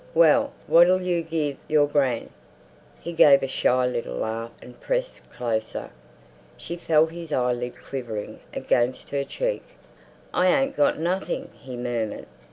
"Well, what'll you give your gran?" He gave a shy little laugh and pressed closer. She felt his eyelid quivering against her cheek. "I ain't got nothing," he murmured....